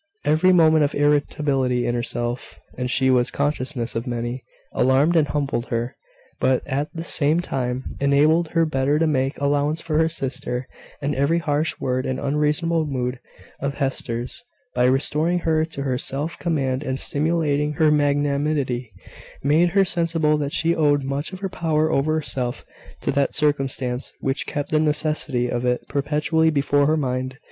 Every movement of irritability in herself (and she was conscious of many) alarmed and humbled her, but, at the same time, enabled her better to make allowance for her sister; and every harsh word and unreasonable mood of Hester's, by restoring her to her self command and stimulating her magnanimity, made her sensible that she owed much of her power over herself to that circumstance which kept the necessity of it perpetually before her mind.